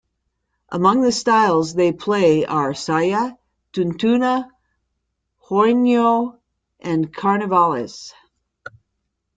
Among the styles they play are Saya, tuntuna, huayno, and carnavales.